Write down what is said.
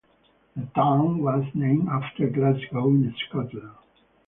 The town was named after Glasgow in Scotland.